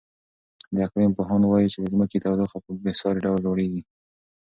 د اقلیم پوهان وایي چې د ځمکې تودوخه په بې ساري ډول لوړېږي.